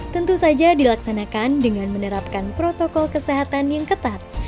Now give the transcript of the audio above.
tentu saja dilaksanakan dengan menerapkan protokol kesehatan yang ketat